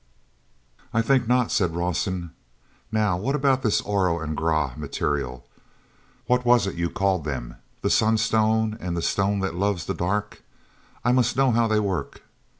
"I think not," said Rawson. "Now what about this Oro and Grah material? What was it you called them—the Sun stone and the Stone that loves the dark? I must know how they work."